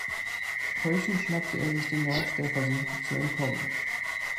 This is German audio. Keuchend schnappte er sich den Nerz, der versuchte zu entkommen.